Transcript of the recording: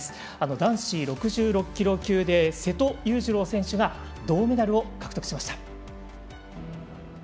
男子６６キロ級で瀬戸勇次郎選手が銅メダルを獲得しました。